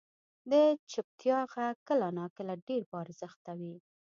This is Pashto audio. • د چپتیا ږغ کله ناکله ډېر با ارزښته وي.